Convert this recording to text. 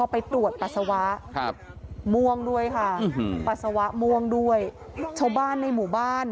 ปัสสาวะม่วงด้วยเช่าบ้านในหมู่บ้าน